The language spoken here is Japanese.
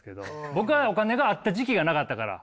僕はお金があった時期がなかったから。